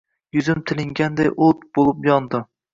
yuzim tilinganday o’t bo’lib yondi.